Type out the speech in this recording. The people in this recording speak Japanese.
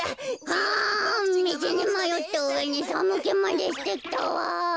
あみちにまよったうえにさむけまでしてきたわ。